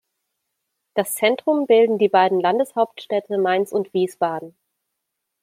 Das Zentrum bilden die beiden Landeshauptstädte Mainz und Wiesbaden.